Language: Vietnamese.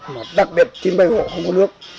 mà đặc biệt chín mươi hộ không có nước